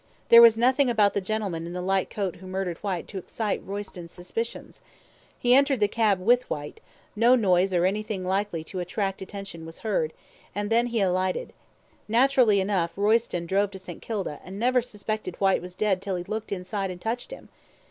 There was nothing about the gentleman in the light coat who murdered Whyte to excite Royston's suspicions. He entered the cab with Whyte; no noise or anything likely to attract attention was heard, and then he alighted. Naturally enough, Royston drove to St. Kilda, and never suspected Whyte was dead till he looked inside and touched him.